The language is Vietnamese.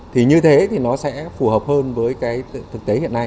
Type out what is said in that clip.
thì như thế thì nó sẽ phù hợp hơn với cái thực tế hiện nay